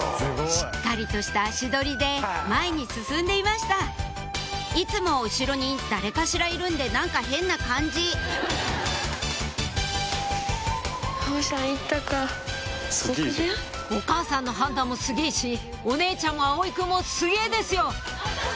しっかりとした足取りで前に進んでいましたいつも後ろに誰かしらいるんで何か変な感じお母さんの判断もすげぇしお姉ちゃんも葵くんもすげぇですよ！